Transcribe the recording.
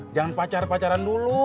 jangan pacar pacaran dulu